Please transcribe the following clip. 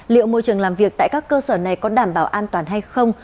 liệu môi trường làm việc tại các cơ sở này có đảm bảo an toàn hay không